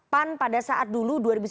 pan pada saat dulu dua ribu sembilan belas